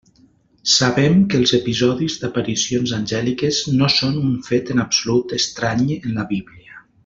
Sabem que els episodis d'aparicions angèliques no són un fet en absolut estrany en la Bíblia.